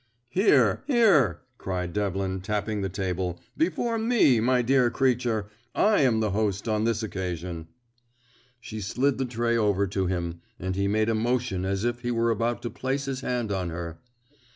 "Here, here," cried Devlin, tapping the table. "Before me, my dear creature! I am the host on this occasion." She slid the tray over to him, and he made a motion as if he were about to place his hand on her.